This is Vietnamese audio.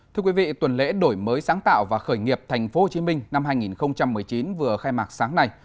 thưa quý vị tuần lễ đổi mới sáng tạo và khởi nghiệp thành phố hồ chí minh năm hai nghìn một mươi chín vừa khai mạc sáng nay